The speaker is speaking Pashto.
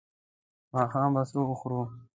ماښام به څه وخورو؟